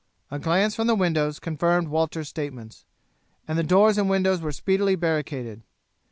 A glance from the windows confirmed Walter's statements, and the doors and windows were speedily barricaded.